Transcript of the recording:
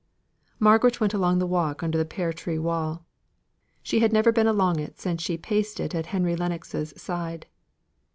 Margaret went along the walk under the pear tree wall. She had never been along it since she paced it at Henry Lennox's side.